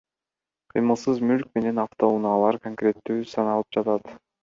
Кыймылсыз мүлк менен автоунаалар конкреттүү саналып жатат.